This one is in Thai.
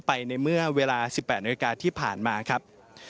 ไปในเวลา๑๘นาทีกว่าที่ผ่านมาครับ